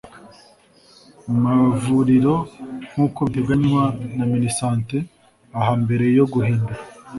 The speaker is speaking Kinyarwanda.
Mavuriro nkuko biteganywa na minisante aha mbere yo guhindura